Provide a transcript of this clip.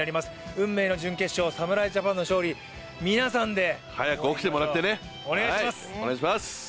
運命の準決勝、侍ジャパンの勝利、皆さんで、早く起きてもらって、お願いします。